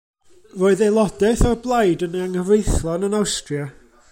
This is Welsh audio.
Roedd aelodaeth o'r blaid yn anghyfreithlon yn Awstria.